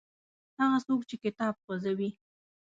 هغه څوک چې کتاب سوځوي.